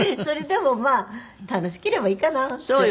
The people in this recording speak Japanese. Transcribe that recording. それでもまあ楽しければいいかなって。